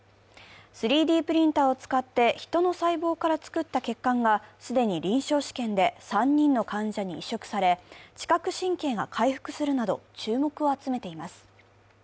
３Ｄプリンターを使ってヒトの細胞から作った血管が既に臨床試験で３人の患者に移植され、知覚神経が回復するなど注目を集めています。